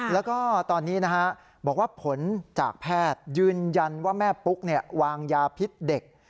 แล้วก็ตอนนี้บอกว่าผลจากแพทย์ยืนยันว่าแม่ปุ๊กวางยาพิษเด็ก